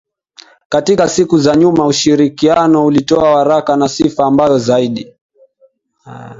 Katika siku za nyuma ushirikiano ulitoa waraka na sifa mbaya zaidi